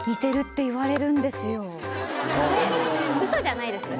ウソじゃないですよね。